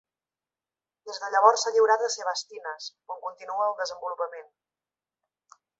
Des de llavors s'ha lliurat a "sebastinas", on continua el desenvolupament.